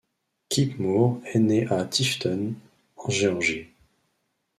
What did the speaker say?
Kip Moore est né à Tifton en Géorgie.